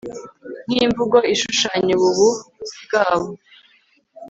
Nk imvugo ishushanya ububu bwabo